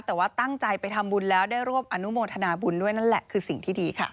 แต่ว่าตั้งใจไปทำบุญแล้วได้ร่วมอนุโมทนาบุญด้วยนั่นแหละคือสิ่งที่ดีค่ะ